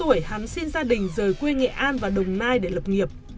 mười kể năm một mươi tám tuổi hắn xin gia đình rời quê nghệ an và đồng nai để lập nghiệp